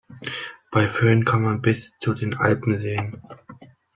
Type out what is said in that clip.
Bei Föhn kann man bis zu den Alpen sehen.